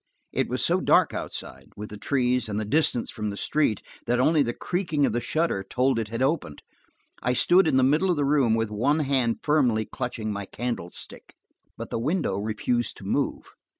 It was so dark outside, with the trees and the distance from the street, that only the creaking of the shutter told it had opened. I stood in the middle of the room, with one hand firmly clutching my candlestick. But the window refused to move.